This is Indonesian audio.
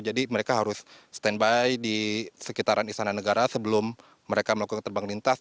jadi mereka harus standby di sekitaran istana negara sebelum mereka melakukan terbang lintas